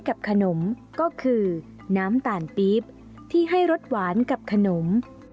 กับขนมก็คือน้ำตาลปี๊บที่ให้รสหวานกับขนม